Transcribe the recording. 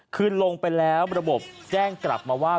คือลงไปแล้วระบบแจ้งกลับมาว่า